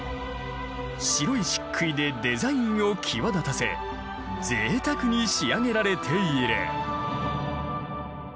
白い漆喰でデザインを際立たせぜいたくに仕上げられている。